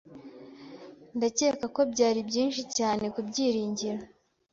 Ndakeka ko byari byinshi cyane kubyiringiro.